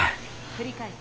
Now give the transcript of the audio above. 「繰り返す。